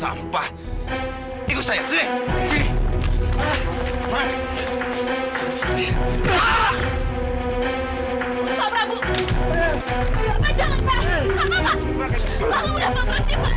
kamu udah berhenti pak